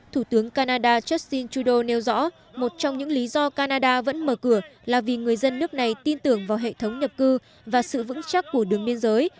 thủ tướng canada justin trudeau nêu rõ một trong những lý do canada vẫn mở cửa là vì người dân nước này tin tưởng vào hệ thống nhập cư và sự vững chắc của đường biên giới